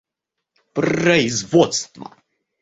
производства